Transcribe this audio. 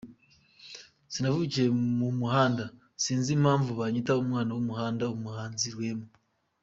Sinavukiye mu muhanda, sinzi impamvu banyita umwana w’umuhanda – Umuhanzi Rwema